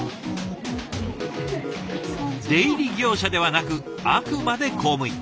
出入り業者ではなくあくまで公務員。